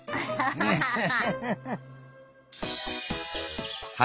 ナハハハハ。